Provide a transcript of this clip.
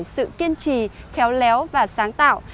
môn nghệ thuật đòi hỏi sự kiên trì khéo léo và sáng tạo